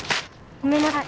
ごめんなさい。